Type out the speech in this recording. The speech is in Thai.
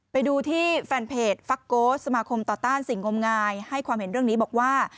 ไปดูที่แฟนเพจฟักโกสสมาคมต่อต้านสิ่งงมงายให้ความเห็นเรื่องนี้บอกว่า